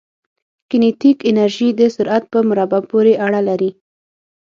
کینیتیک انرژي د سرعت په مربع پورې اړه لري.